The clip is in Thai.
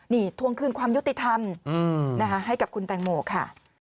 นี่ทวงคืนความยุติธรรมให้กับคุณแตงโมค่ะ